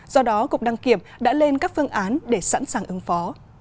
do đó cục đăng kiểm đã lên các phương án để sẵn sàng ứng phó